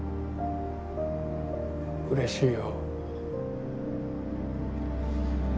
うれしいよ。